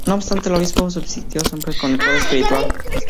No obstante, el obispado subsistió siempre como poder espiritual.